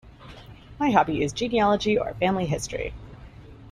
My hobby is genealogy, or family history.